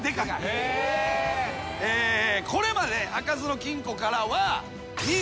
これまで開かずの金庫からは。